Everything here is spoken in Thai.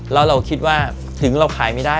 แล้วเราคิดว่าถึงเราขายไม่ได้